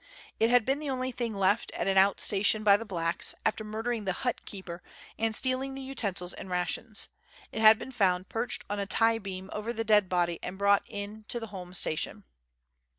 It had been the only thing left at an out station by the blacks, after murdering the hut keeper, and stealing the utensils and rations. It had been found perched on a tie beam over the dead body, and brought in to the home station.